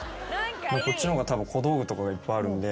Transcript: こっちの方が小道具とかがいっぱいあるんで。